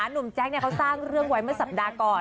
หนุ่มแจ็คสร้างเรื่องประมาณสัปดาห์ก่อน